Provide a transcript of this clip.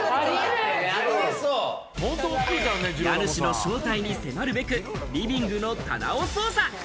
家主の正体に迫るべく、リビングの棚を捜査。